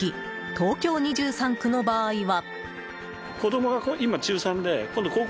東京２３区の場合は。